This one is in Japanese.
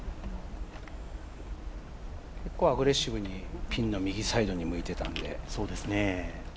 結構アグレッシブにピンの右サイドに向いていたので。